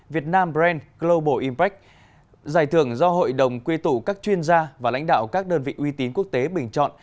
việt nam brand global impac giải thưởng do hội đồng quy tụ các chuyên gia và lãnh đạo các đơn vị uy tín quốc tế bình chọn